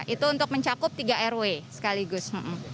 itu untuk mencakup tiga rw sekaligus